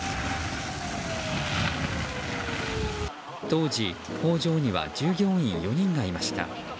当時、工場には従業員４人がいました。